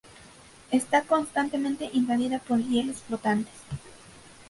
Está constantemente invadida por hielos flotantes.